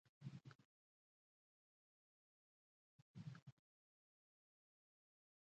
آیا وروسته د کب نیولو صنعت له ستونزو سره مخ نشو؟